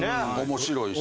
面白いし。